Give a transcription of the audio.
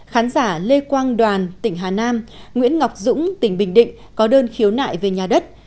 khán giả lê quang đoàn tỉnh hà nam nguyễn ngọc dũng tỉnh bình định có đơn khiếu nại về nhà đất